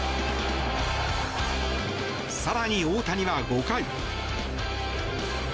更に大谷は５回。